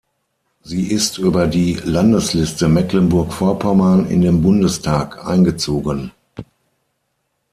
Sie ist über die Landesliste Mecklenburg-Vorpommern in den Bundestag eingezogen.